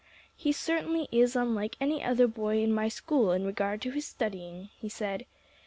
"He certainly is unlike any other boy in my school in regard to his studying," he said.